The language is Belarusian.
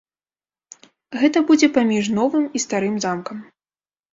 Гэта будзе паміж новым і старым замкам.